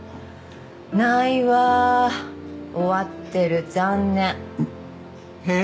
ないわー終わってる残念えっ？